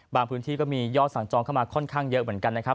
พื้นที่ก็มียอดสั่งจองเข้ามาค่อนข้างเยอะเหมือนกันนะครับ